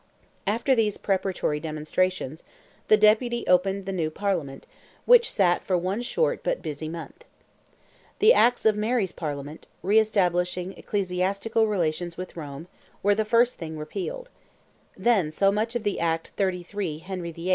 After these preparatory demonstrations, the Deputy opened the new Parliament, which sat for one short but busy month. The Acts of Mary's Parliament, re establishing ecclesiastical relations with Rome, were the first thing repealed; then so much of the Act 33, Henry VIII.